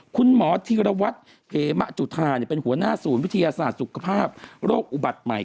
คุณหมอธีรวัตรเหมะจุธาเป็นหัวหน้าศูนย์วิทยาศาสตร์สุขภาพโรคอุบัติใหม่